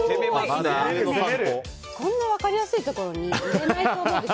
こんな分かりやすいところに入れないと思うんです。